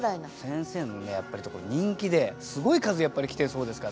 先生のやっぱり人気ですごい数来てるそうですから。